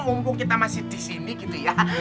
mumpung kita masih di sini gitu ya